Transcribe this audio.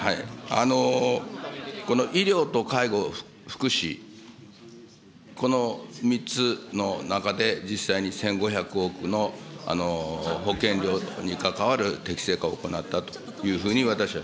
この医療と介護、福祉、この３つの中で実際に１５００億の保険料に関わる適正化を行ったというふうに私は。